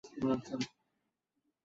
এ ঘটনায় এলাকার লোকজন আতঙ্কিত হয়ে পড়েছে।